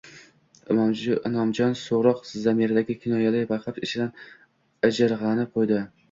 Inomjon so`roq zamiridagi kinoyani payqab, ichidan ijirg`anib qo`ydi